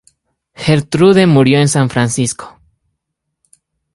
Gertrude murió en San Francisco.